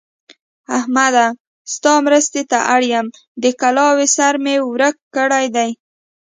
احمده! ستا مرستې ته اړ يم؛ د کلاوې سر مې ورک کړی دی.